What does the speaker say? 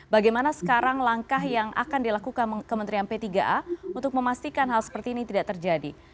bagaimana sekarang langkah yang akan dilakukan kementerian p tiga a untuk memastikan hal seperti ini tidak terjadi